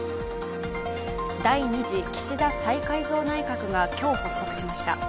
第２次岸田再改造内閣が今日、発足しました。